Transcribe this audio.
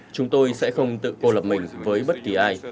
chúng tôi sẽ không tự cô lập mình với bất kỳ ai